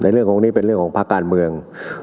เรื่องของนี้เป็นเรื่องของภาคการเมือง